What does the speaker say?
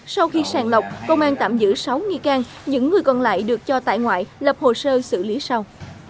sau khi sàng lọc công an tạm giữ sáu nghi can những người còn lại được cho tại ngoại lập hồ sơ xử lý sau